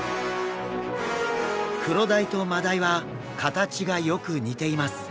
クロダイとマダイは形がよく似ています。